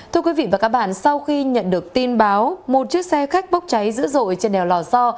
thưa quý vị và các bạn sau khi nhận được tin báo một chiếc xe khách bốc cháy dữ dội trên đèo lò so